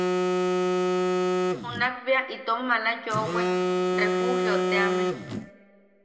Junakbea itom mala yoʼowe Refugiateame.